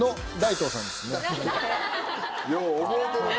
よう覚えてるな。